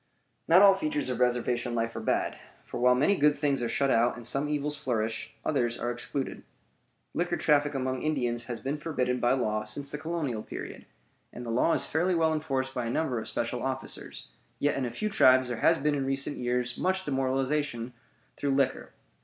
Not all features of reservation life are bad; for while many good things are shut out and some evils flourish, others are excluded. Liquor traffic among Indians has been forbidden by law since the colonial period; and the law is fairly well enforced by a number of special officers; yet in a few tribes there has been in recent years much demoralization through liquor.